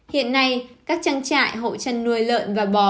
hiện nay các trang trại hộ chăn nuôi lợn và bò